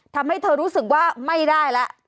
ทำให้เธอรู้สึกว่าไม่ได้แล้ว